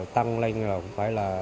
tăng lên phải là